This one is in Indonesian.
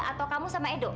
atau kamu sama edo